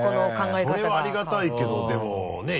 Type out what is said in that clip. それはありがたいけどでもねぇ？